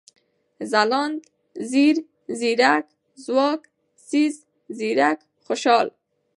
ځلاند ، ځير ، ځيگر ، ځواک ، ځيږ ، ځيرک ، خوشال